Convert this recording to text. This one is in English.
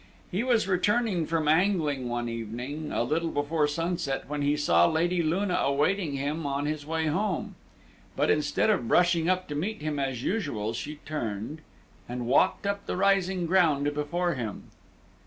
He was returning from angling one evening, a little before sunset, when he saw Lady Luna awaiting him on his way home. But instead of brushing up to meet him as usual, she turned, and walked up the rising ground before him.